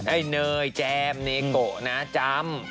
ไอ้เนยแจมเนโกะนะจำ